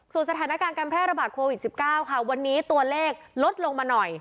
สถานการณ์การแพร่ระบาดโควิด๑๙ค่ะวันนี้ตัวเลขลดลงมาหน่อย